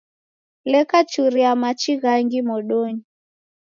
Leka churia machi ghangi modonyi